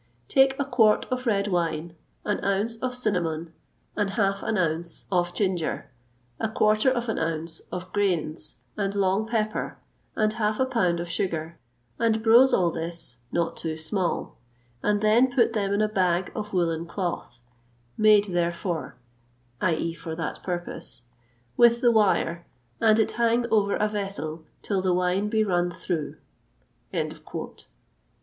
_ Take a quarte of red wine, an ounce of synamon, ane halfe an once (ounce) of gynger, a quarter of an unnce (ounce) of greynes and long pepper, and halfe a pound of suger, and brose all this (not too small), and then put them in a bage of wullen clothe, made therefore (for that purpose), with the wire, and it hange over a vessel tyll the wine be run thorowe (through)."[XXVIII 172] Quoted by STRUTT.